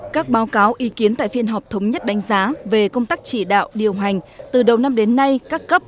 các báo cáo ý kiến tại phiên họp thống nhất đánh giá về công tác chỉ đạo điều hành từ đầu năm đến nay các cấp